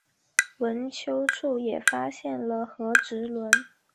坟丘处也发现了和埴轮。